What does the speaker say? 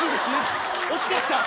惜しかった。